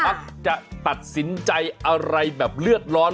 จะตัดสินใจอะไรแบบเลือดร้อน